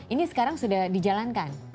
ini sekarang sudah dijalankan